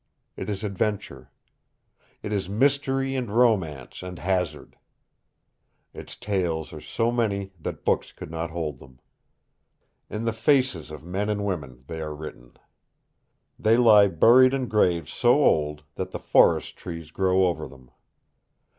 It is adventure. It is mystery and romance and hazard. Its tales are so many that books could not hold them. In the faces of men and women they are written. They lie buried in graves so old that the forest trees grow over them.